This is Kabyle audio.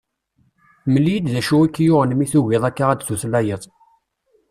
Mel-iyi-d d acu i k-yuɣen mi tugiḍ akka ad d-tutlayeḍ.